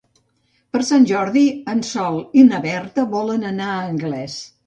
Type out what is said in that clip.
Per Sant Jordi en Sol i na Berta volen anar a Anglès.